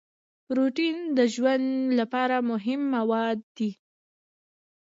پروټین د ژوند لپاره مهم مواد دي